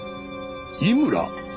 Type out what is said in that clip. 井村？